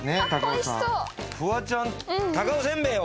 フワちゃんに高尾せんべいを。